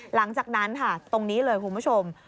หลังจากนั้นค่ะตรงนี้เลยคุณผู้ชม